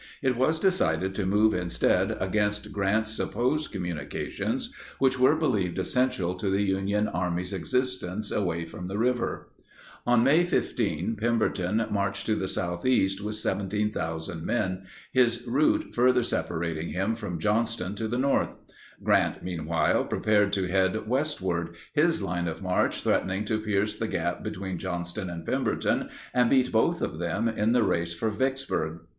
It was decided to move instead against Grant's supposed communications which were believed essential to the Union Army's existence away from the river. On May 15, Pemberton marched to the southeast with 17,000 men, his route further separating him from Johnston to the north. Grant, meanwhile, prepared to head westward, his line of march threatening to pierce the gap between Johnston and Pemberton and beat both of them in the race for Vicksburg.